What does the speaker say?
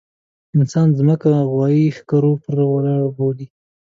انسان ځمکه غوايي ښکرو پر سر ولاړه بولي.